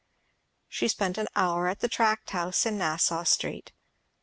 She spent near an hour at the Tract House in Nassau Street.